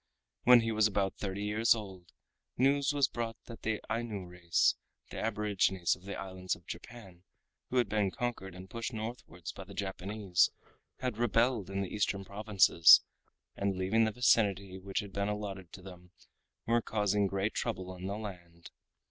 When he was about thirty years old, news was brought that the Ainu race, the aborigines of the islands of Japan, who had been conquered and pushed northwards by the Japanese, had rebelled in the Eastern provinces, and leaving the vicinity which had been allotted to them were causing great trouble in the land.